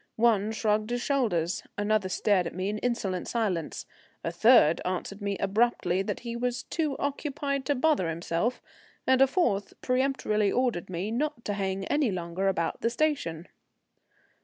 One shrugged his shoulders, another stared at me in insolent silence, a third answered me abruptly that he was too occupied to bother himself, and a fourth peremptorily ordered me not to hang any longer about the station.